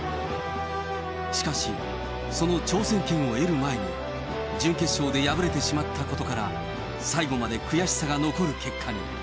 しかし、その挑戦権を得る前に、準決勝で敗れてしまったことから、最後まで悔しさが残る結果に。